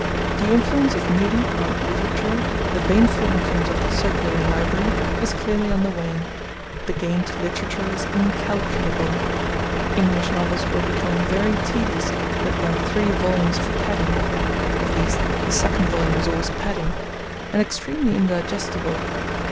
The influence of Mudie on literature, the baneful influence of the circulating library, is clearly on the wane. The gain to literature is incalculable. English novels were becoming very tedious with their three volumes of padding at least, the second volume was always padding and extremely indigestible.